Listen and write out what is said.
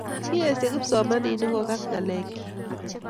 kiesho kipsomaninik kokas ng'alekchi